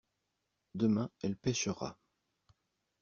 Demain elle pêchera.